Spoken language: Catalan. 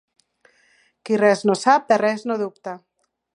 Qui res no sap, de res no dubta.